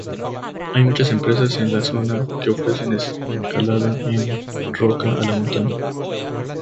Hay muchas empresas en la zona que ofrecen escalada en roca a la montaña.